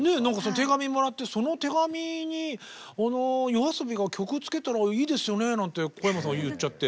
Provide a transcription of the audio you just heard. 手紙もらってその手紙にＹＯＡＳＯＢＩが曲つけたらいいですよねなんて小山さんが言っちゃって。